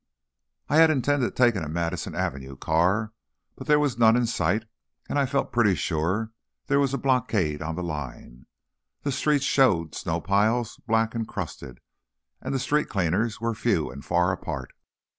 I had intended taking a Madison Avenue car, but there was none in sight, and I felt pretty sure there was a blockade on the line. The streets showed snowpiles, black and crusted, and the street cleaners were few and far apart.